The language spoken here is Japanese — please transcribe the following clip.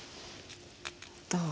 どう？